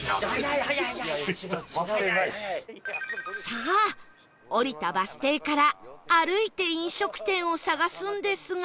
さあ降りたバス停から歩いて飲食店を探すんですが